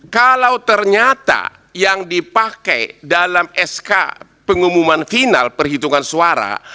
kalau ternyata yang dipakai dalam sk pengumuman final perhitungan suara